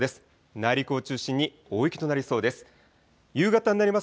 内陸を中心に大雪となりそうです。